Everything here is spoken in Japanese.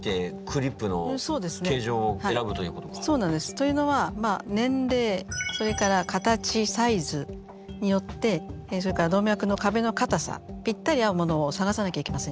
というのはまあ年齢それから形サイズによってそれから動脈の壁のかたさぴったり合うものを探さなきゃいけません。